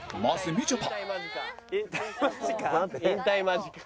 みちょぱ。